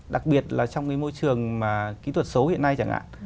đặc biệt là trong cái môi trường mà kỹ thuật xấu hiện nay chẳng hạn